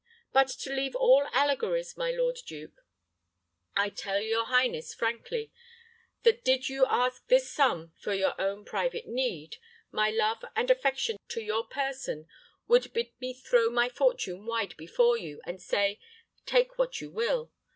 But to leave all allegories, my lord duke, I tell your highness frankly, that did you ask this sum for your own private need, my love and affection to your person would bid me throw my fortune wide before you, and say, 'Take what you will.'